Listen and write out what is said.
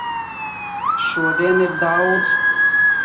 Šodien ir daudz.